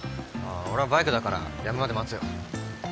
俺はバイクだからやむまで待つよ。